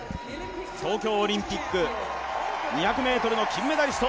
東京オリンピック２００ｍの金メダリスト